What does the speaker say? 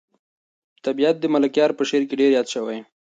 طبیعت د ملکیار په شعر کې ډېر یاد شوی.